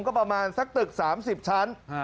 ก็ประมาณสักตึก๓๐ชั้น